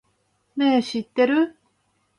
ねぇ、知ってる？